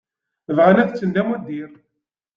Bɣan ad t-ččen d amuddir.